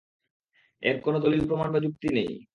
এর কোন দলীল-প্রমাণ বা যুক্তি নেই।